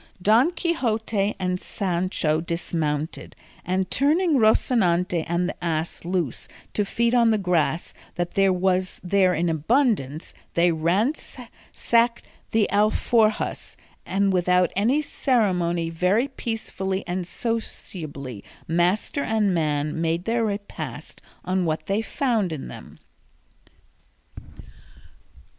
Don Quixote and Sancho dismounted, and turning Rocinante and the ass loose to feed on the grass that was there in abundance, they ransacked the alforjas, and without any ceremony very peacefully and sociably master and man made their repast on what they found in them.